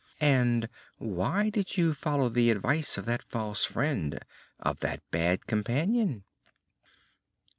"And why did you follow the advice of that false friend? of that bad companion?"